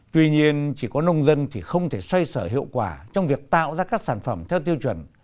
tuy nhiên chỉ có nông dân thì không thể xoay sở hiệu quả trong việc tạo ra các sản phẩm theo tiêu chuẩn